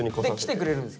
そう来てくれる。